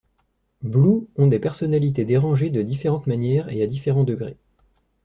Blue ont des personnalités dérangées de différentes manières et à différents degrés.